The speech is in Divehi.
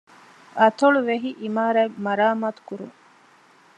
އަތޮޅުވެހި އިމާރާތް މަރާމާތުކުރުން